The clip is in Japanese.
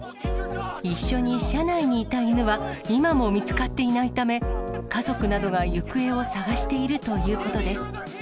一緒に車内にいた犬は今も見つかっていないため、家族などが行方を捜しているということです。